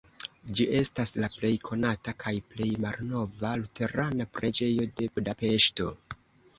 Ĝi estas la plej konata kaj plej malnova luterana preĝejo de Budapeŝto.